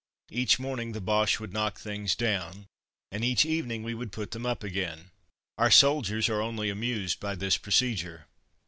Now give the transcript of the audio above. Each morning the Boches would knock things down, and each evening we would put them up again. Our soldiers are only amused by this procedure.